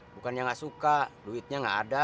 bukannya gak suka luitnya gak ada